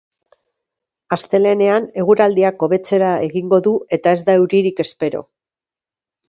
Astelehenean eguraldiak hobetzera egingo du eta ez da euririk espero.